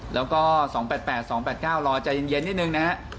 แล้วก็๒๘๘๒๘๙รอใจเย็นนิดนึงนะฮะ